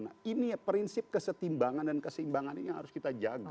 nah ini prinsip kesetimbangan dan keseimbangan ini yang harus kita jaga